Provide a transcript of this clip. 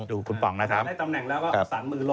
ถ้าได้ตำแหน่งแล้วก็สั่งมือลงนะครับ